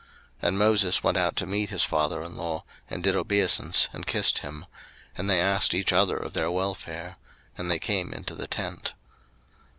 02:018:007 And Moses went out to meet his father in law, and did obeisance, and kissed him; and they asked each other of their welfare; and they came into the tent.